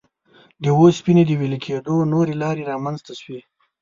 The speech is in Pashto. د اوسپنې د وېلې کېدو نوې لارې رامنځته شوې.